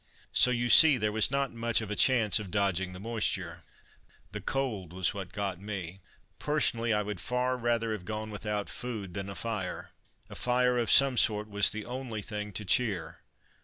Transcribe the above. So, you see, there was not much of a chance of dodging the moisture. The cold was what got me. Personally, I would far rather have gone without food than a fire. A fire of some sort was the only thing to cheer.